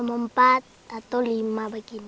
membaca menulis menyanyi menghitung